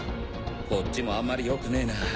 こっちもあんまり良くねえな。